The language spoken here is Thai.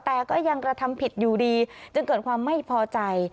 แต่ก็ยังกระทำผิดอยู่ดีจึงเกิดความไม่พอใจ